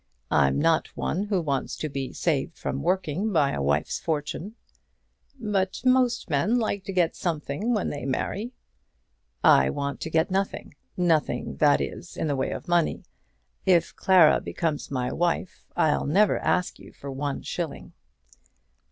I'm not one who wants to be saved from working by a wife's fortune." "But most men like to get something when they marry." "I want to get nothing; nothing, that is, in the way of money. If Clara becomes my wife I'll never ask you for one shilling."